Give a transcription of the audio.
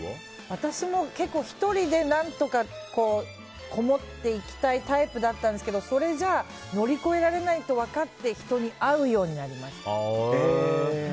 私も結構１人でこもっていきたいタイプだったんですけどそれじゃ乗り越えられないと分かって人に会うようになりました。